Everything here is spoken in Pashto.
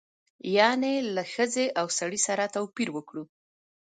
یعنې له ښځې او سړي سره توپیر وکړو.